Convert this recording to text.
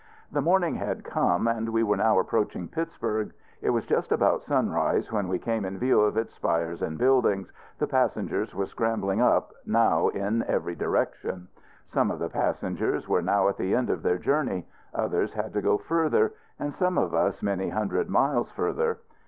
The morning had come, and we were now approaching Pittsburg. It was just about sunrise when we came in view of its spires and buildings. The passengers were scrambling up, now, in every direction. Some of the passengers were now at the end of their journey. Others had to go further; and some of us many hundred miles further.